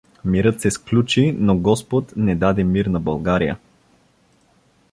Мирът се сключи, но господ не даде мир на България.